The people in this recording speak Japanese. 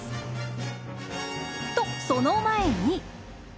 とその前に。